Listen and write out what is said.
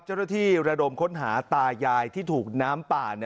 เจ้าหน้าที่เริ่มค้นหาตายายที่ถูกน้ำป่า